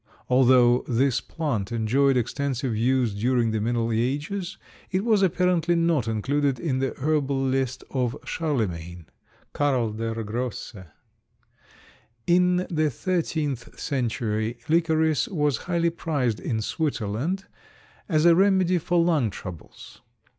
Although this plant enjoyed extensive use during the middle ages it was apparently not included in the herbal list of Charlemagne, Karl der Grosse. In the 13th century licorice was highly prized in Switzerland as a remedy for lung troubles.